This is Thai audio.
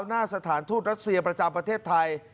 หน้าสถานทูตรัสเซียประจำประเทศไทย